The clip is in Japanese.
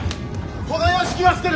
この屋敷は捨てる。